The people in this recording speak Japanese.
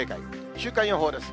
週間予報です。